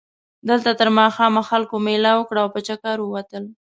دلته تر ماښامه خلکو مېله وکړه او په چکر ووتل.